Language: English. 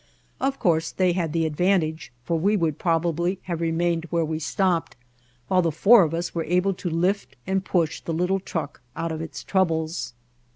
Of course they had the advantage, for we would probably have remained where we stopped, while the four of us were able to lift and push the little truck out of its troubles.